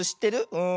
うん。